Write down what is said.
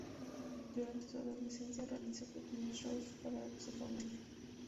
Durante su adolescencia, realizó pequeños shows para su familia.